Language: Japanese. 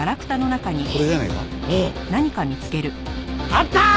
あったー！